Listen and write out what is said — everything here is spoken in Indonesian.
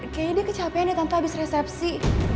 kayaknya dia kecapean ya tanpa habis resepsi